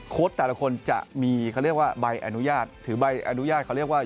แต่ละคนจะมีเขาเรียกว่าใบอนุญาตถือใบอนุญาตเขาเรียกว่า